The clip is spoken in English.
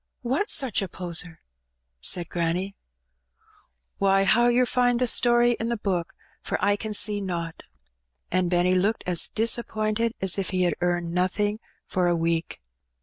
"What's such a poser?" said granny. "Why, how yer find the story in the book; for I can see nowt." And Benny looked as disappointed as if ha had earned nothing for a week.